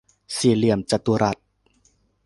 สี่เหลี่ยมจัตุรัส